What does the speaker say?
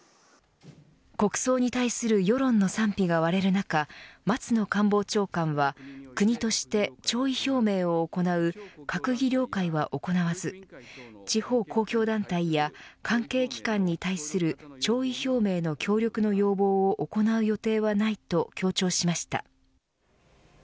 国葬に対する世論の賛否が割れる中松野官房長官は、国として弔意表明を行う閣議了解は行わず地方公共団体や関係機関に対する弔意表明の協力の要望を行う予定はないと強調しました。